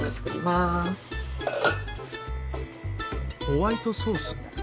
ホワイトソース？